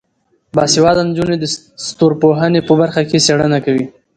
باسواده نجونې د ستورپوهنې په برخه کې څیړنه کوي.